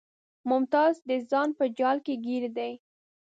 ممتاز د ځان په جال کې ګیر دی